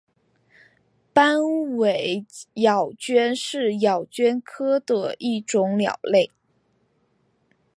斑尾咬鹃是咬鹃科的一种鸟类。